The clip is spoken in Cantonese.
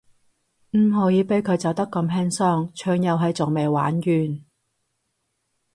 唔可以畀佢走得咁輕鬆，場遊戲仲未玩完